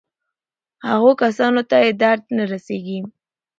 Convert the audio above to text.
هغو کسانو ته یې درد نه رسېږي.